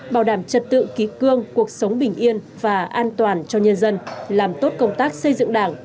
bảo đảm trật tự ký cương cuộc sống bình yên và an toàn cho nhân dân làm tốt công tác xây dựng đảng